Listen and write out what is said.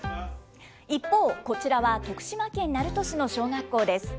一方、こちらは徳島県鳴門市の小学校です。